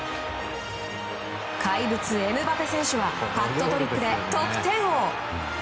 怪物エムバペ選手はハットトリックで得点王。